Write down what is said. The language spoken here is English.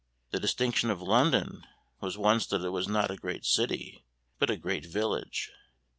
The distinction of London was once that it was not a great city but a great village.